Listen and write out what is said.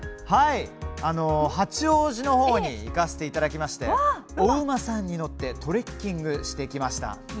八王子のほうに行かせていただきましてお馬さんに乗ってトレッキングしてきました。